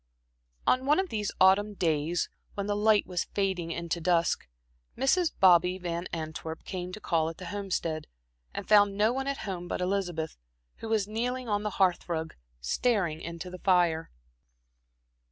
On one of these autumn days, when the light was fading into dusk, Mrs. "Bobby" Van Antwerp came to call at the Homestead, and found no one at home but Elizabeth, who was kneeling on the hearth rug, staring into the fire.